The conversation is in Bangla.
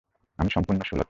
আমি সম্পূর্ণ সুলথ।